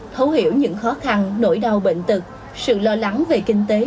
thấu hiểu những khó khăn nỗi đau bệnh tật sự lo lắng về kinh tế